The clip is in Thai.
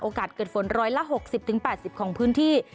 โอกาสเกิดฝนร้อยละ๖๐๘๐ของพื้นที่